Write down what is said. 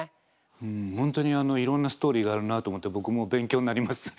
本当にいろんなストーリーがあるなと思って僕も勉強になります。